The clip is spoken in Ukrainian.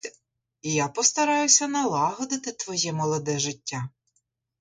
Я постараюся налагодити твоє молоде життя.